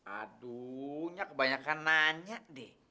aduhnya kebanyakan nanya deh